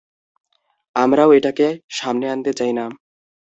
আমরাও এটাকে সামনে আনতে চাই না।